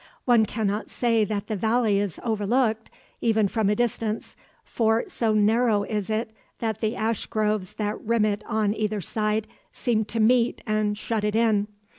One cannot say that the valley is overlooked, even from a distance, for so narrow is it that the ashgroves that rim it on either side seem to meet and shut it in.